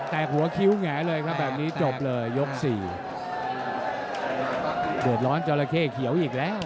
แต่หัวคิ้วแงเลยครับแบบนี้จบเลยยกสี่เดือดร้อนจราเข้เขียวอีกแล้ว